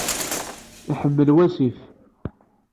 Iḥmel wasif.